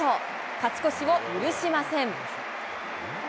勝ち越しを許しません。